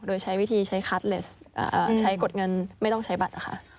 โดยใช้วิธีใช้คัสเลสใช้กดเงินไม่ต้องใช้บัตรนะคะ